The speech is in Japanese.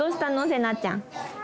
せなちゃん。